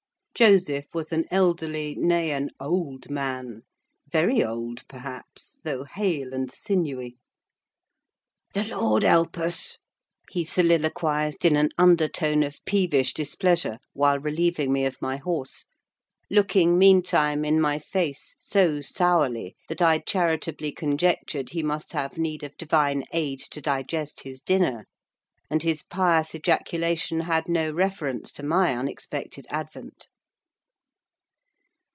Joseph was an elderly, nay, an old man, very old, perhaps, though hale and sinewy. "The Lord help us!" he soliloquised in an undertone of peevish displeasure, while relieving me of my horse: looking, meantime, in my face so sourly that I charitably conjectured he must have need of divine aid to digest his dinner, and his pious ejaculation had no reference to my unexpected advent.